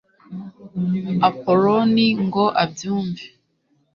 apoloni ngo abyumve